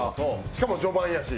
しかも序盤やし。